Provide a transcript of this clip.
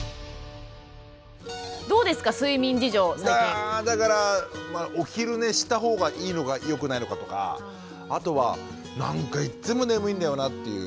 あだからまあお昼寝した方がいいのか良くないのかとかあとはなんかいっつも眠いんだよなという。